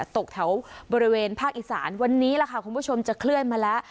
ตกแถวบริเวณภาคอีสานวันนี้ล่ะค่ะคุณผู้ชมจะเคลื่อนมาแล้ว